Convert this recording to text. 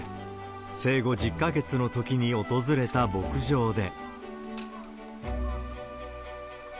生後１０か月のときに訪れた牧場で。